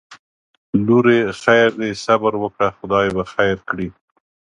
لورې خیر دی صبر وکړه خدای به خیر کړي